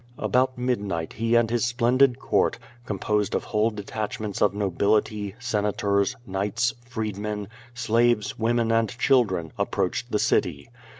About midnight he and his splendid court, composed of QUO VAX)//?. 341 whole detachments of nobility, senators, knights, freedmen, slaves, women and children, approached the city.